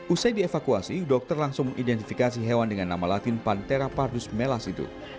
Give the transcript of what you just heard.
usai dievakuasi dokter langsung mengidentifikasi hewan dengan nama latin pantera pardus melas itu